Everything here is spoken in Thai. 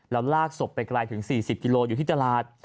แล้วลากศพไปไกลถึง๔๐กิโลอยู่ที่ตลาด